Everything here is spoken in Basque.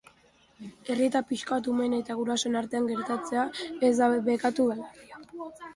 Errieta pixka bat umeen eta gurasoen artean gertatzea ez da bekatu larria.